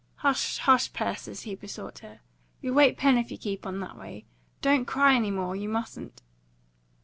"Hush, hush, Persis!" he besought her. "You'll wake Pen if you keep on that way. Don't cry any more! You mustn't."